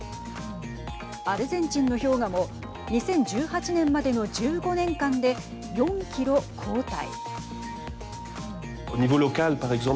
アルゼンチンの氷河も２０１８年までの１５年間で４キロ後退。